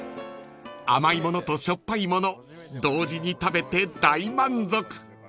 ［甘いものとしょっぱいもの同時に食べて大満足］